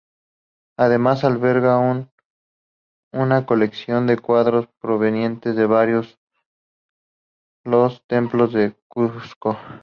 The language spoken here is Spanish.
Además, albergará una colección de cuadros provenientes de varios los templos del Cusco.